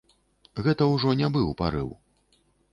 Гэта ўжо не быў парыў.